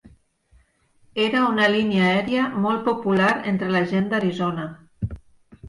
Era una línia aèria molt popular entre la gent d'Arizona.